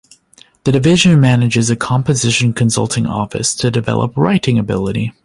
The division manages a composition-consulting office to develop writing ability.